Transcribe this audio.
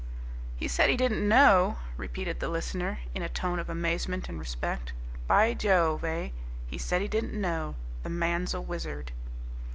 '" "He said he didn't know!" repeated the listener, in a tone of amazement and respect. "By Jove! eh? he said he didn't know! The man's a wizard!"